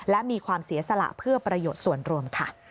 และมีความเสียสละเพื่อประโยชน์ส่วนรวมค่ะ